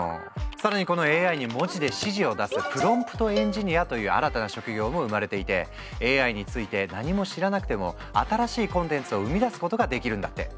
更にこのＡＩに文字で指示を出すプロンプトエンジニアという新たな職業も生まれていてＡＩについて何も知らなくても新しいコンテンツを生み出すことができるんだって。